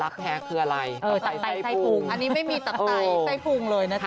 ลับแท้คืออะไรเออตับไต้ไส้ภูมิอันนี้ไม่มีตับไต้ไส้ภูมิเลยนะจ๊ะ